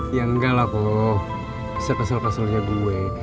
ya enggak lah kok sekesel keselnya gue